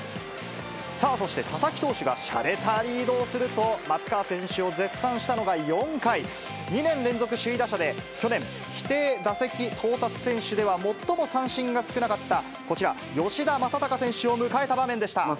さあそして、佐々木投手がしゃれたリードをすると、松川選手を絶賛したのが４回、２年連続首位打者、去年、規定打席到達選手では最も三振が少なかったこちら、吉田正尚選手を迎えた場面でした。